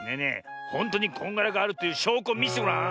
ほんとにこんがらガールというしょうこをみせてごらん。